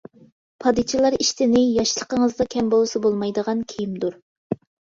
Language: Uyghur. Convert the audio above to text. پادىچىلار ئىشتىنى ياشلىقىڭىزدا كەم بولسا بولمايدىغان كىيىمدۇر.